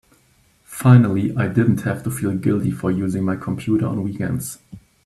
Finally I didn't have to feel guilty for using my computer on weekends.